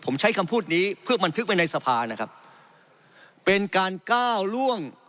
ผมใช้คำพูดนี้เพื่อบันทึกไว้ในสภานะครับเป็นการก้าวล่วง